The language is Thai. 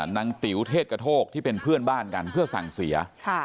ติ๋วเทศกระโทกที่เป็นเพื่อนบ้านกันเพื่อสั่งเสีย